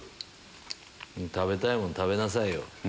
食べたいもの食べなさいよ。